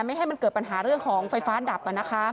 ให้มันเกิดปัญหาเรื่องของไฟฟ้าดับ